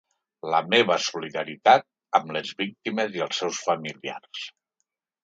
La meva solidaritat amb les víctimes i els seus familiars.